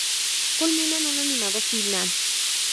Culmina en un animado final.